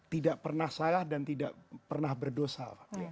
tidak pernah salah dan tidak pernah berdosa